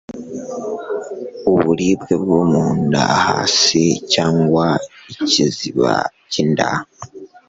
Uburibwe bwo mu nda hasi (cg ikiziba cy'inda)